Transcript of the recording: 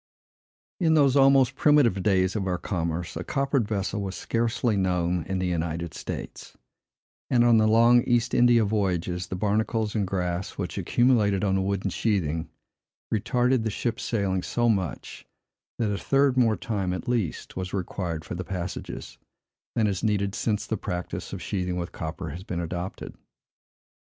In those almost primitive days of our commerce, a coppered vessel was scarcely known in the United States; and on the long East India voyages, the barnacles and grass, which accumulated on the wooden sheathing, retarded the ship's sailing so much, that a third more time, at least, was required for the passages, than is needed since the practice of sheathing with copper has been adopted.